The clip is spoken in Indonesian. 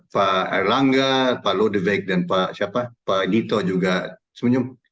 pak erlangga pak lodewijk dan pak siapa pak edito juga senyum